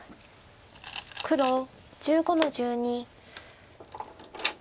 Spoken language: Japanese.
黒１５の十二。